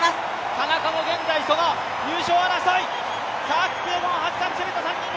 田中も現在、入賞争い。